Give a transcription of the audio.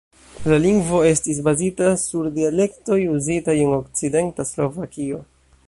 La lingvo estis bazita sur dialektoj uzitaj en okcidenta Slovakio.